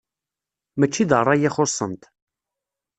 Mačči d ṛṛay i xuṣṣent.